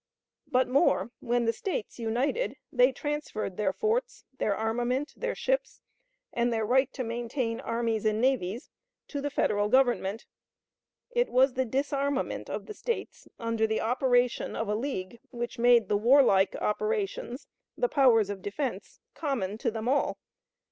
But more: when the States united they transferred their forts, their armament, their ships, and their right to maintain armies and navies, to the Federal Government. It was the disarmament of the States, under the operation of a league which made the warlike operations, the powers of defense, common to them all.